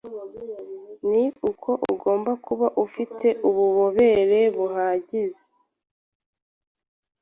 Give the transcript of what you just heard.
ni uko ugomba kuba afite ububobere buhagize